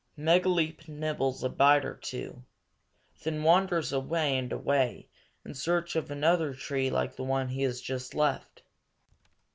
Megaleep nibbles a bite or two, then wanders away and away in search of another tree like the one he has just left.